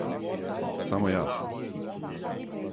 Само ја сам.